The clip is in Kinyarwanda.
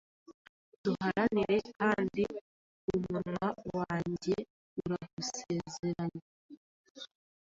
Duharanire kandi umunwa wanjye uragusezeranya